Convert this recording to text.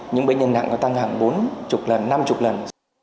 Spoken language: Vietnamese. những bệnh nhân nặng có tăng hàng bốn chục lần năm chục lần